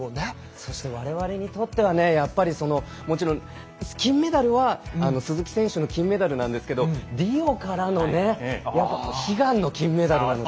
そしてわれわれにとってはもちろん金メダルは鈴木選手の金メダルですがリオからの悲願の金メダルなので。